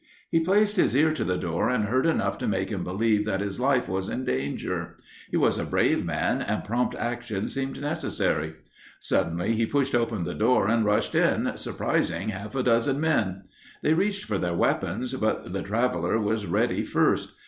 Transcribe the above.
"He placed his ear to the door and heard enough to make him believe that his life was in danger. He was a brave man, and prompt action seemed necessary. Suddenly he pushed open the door and rushed in, surprising half a dozen men. They reached for their weapons, but the traveler was ready first.